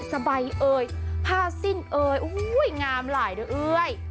สบายเอ่ยผ้าสิ้นเอ่ยโอ้โหงามหลายด้วยเอ้ย